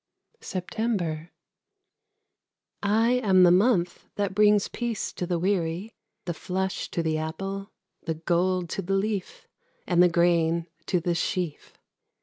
SEPTEMBER. I am the month that brings peace to the weary, The flush to the apple, the gold to the leaf, And the grain to the sheaf.